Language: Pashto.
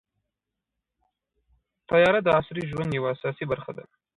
طیاره د عصري ژوند یوه اساسي برخه ده.